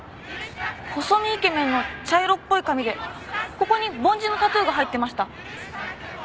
細身イケメンの茶色っぽい髪でここに梵字のタトゥーが入ってました。